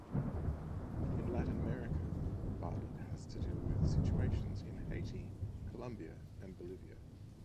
In Latin America, Bartlet has to deal with situations in Haiti, Colombia and Bolivia.